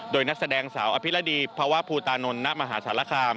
โดยนักแสดงสาวอภิรดีภาวะภูตานนทณมหาสารคาม